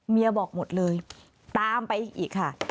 บอกหมดเลยตามไปอีกค่ะ